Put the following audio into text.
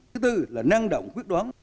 thứ tư là năng động quyết đoán